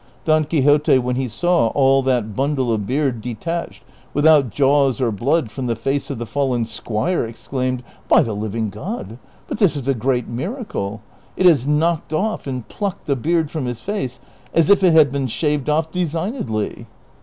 Don Quixote wlien he saw all that bundle of beai d de tached, without jaws or blood, from the face of the fallen squire, exclaimed, "■ By the living God, but this is a great mir acle ! it has knocked off and plucked the beard from his face as if it had been shaved off designedly."